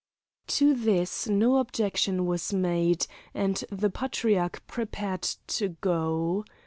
To this no objection was made, and the Patriarch prepared to go.